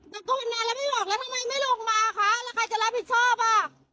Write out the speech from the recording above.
ตะโกนนานแล้วไม่บอกแล้วทำไมไม่ลงมาคะแล้วใครจะรับผิดชอบอ่ะ